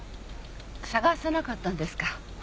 捜さなかったんですか？